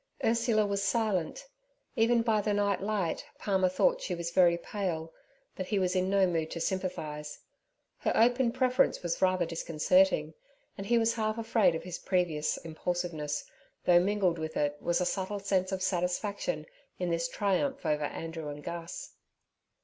Ursula was silent. Even by the night light Palmer thought she was very pale, but he was in no mood to sympathize. Her open preference was rather disconcerting, and he was half afraid of his previous impulsiveness, though mingled with it was a subtle sense of satisfaction in this triumph over Andrew and Gus.